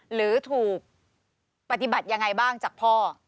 หรือถูกปฏิบัติยังไงบ้างจากพ่อ